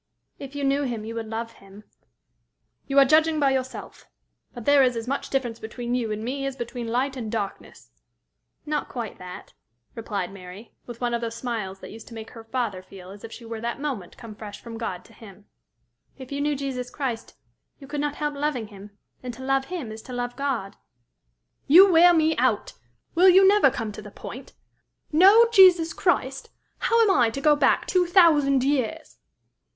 "If you knew him, you would love him." "You are judging by yourself. But there is as much difference between you and me as between light and darkness." "Not quite that," replied Mary, with one of those smiles that used to make her father feel as if she were that moment come fresh from God to him. "If you knew Jesus Christ, you could not help loving him, and to love him is to love God." "You wear me out! Will you never come to the point? Know Jesus Christ! How am I to go back two thousand years?"